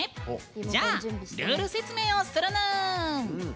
じゃあ、ルール説明をするぬん！